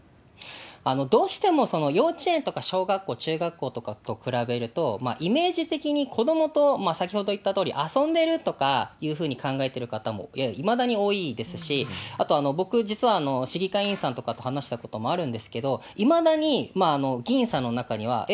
どうしても幼稚園とか小学校、中学校とかと比べると、イメージ的に子どもと、先ほど言ったとおり、遊んでるとかいうふうに考えてる方もいまだに多いですし、僕、実は市議会議員さんとかと話したこともあるんですけれども、いまだに議員さんの中には、えっ？